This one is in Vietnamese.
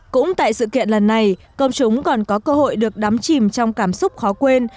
cũng tại sự kiện lần này công chúng còn có cơ hội được đắm chìm trong cảm xúc khó quên